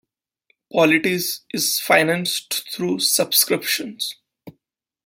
"Politis" is financed through subscription.